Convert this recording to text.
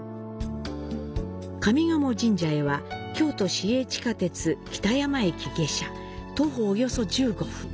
上賀茂神社へは、京都市営地下鉄北山駅下車、徒歩約１５分。